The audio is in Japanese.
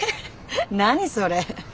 何それ。